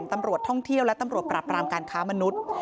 ตำรวจท่องเที่ยวและตำรวจปราบรามการค้ามนุษย์